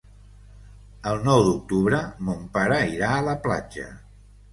El nou d'octubre mon pare irà a la platja.